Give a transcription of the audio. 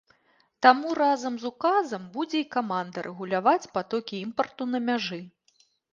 Таму разам з указам будзе і каманда рэгуляваць патокі імпарту на мяжы.